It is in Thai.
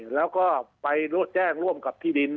แล้วก็ไปแจ้งร่วมกับที่ดิน